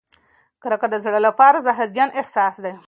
کرکه د زړه لپاره زهرجن احساس دی.